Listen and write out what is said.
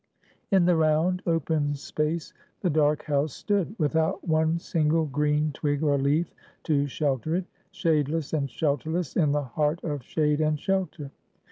In the round open space the dark house stood, without one single green twig or leaf to shelter it; shadeless and shelterless in the heart of shade and shelter.